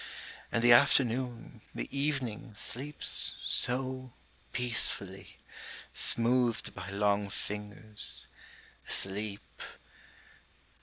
And the afternoon, the evening, sleeps so peacefully! Smoothed by long fingers, Asleep